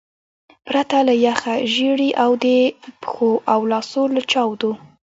پرته له یخه ژیړي او د پښو او لاسو له چاودو.